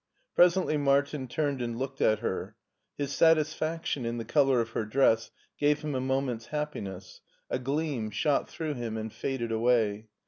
Presently Martin turned and looked at her. His satisfaction in the color of her dress gave him a mo ment's happiness ; a gleam shot through him and faded away.